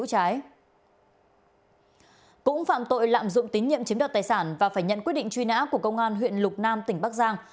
cũng phạm tội lạm dụng tín nhiệm chiếm đoạt tài sản và phải nhận quyết định truy nã của công an huyện lục nam tỉnh bắc giang